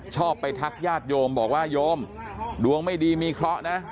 ชอบไปทักญาติโยมบอกว่าโยมดวงไม่ดีมีเคราะห์นะ